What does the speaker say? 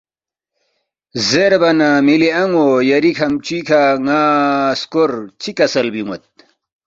زیربا نہ ، ”مِلی ان٘و یری کھمچُوی کھہ ن٘ا سکور چِہ کسل بیون٘ید؟“